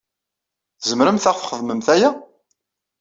Tzemremt ad aɣ-xedmemt aya?